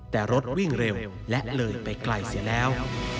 แต่รถวิ่งเร็วและเลยไปไกลเสียแล้ว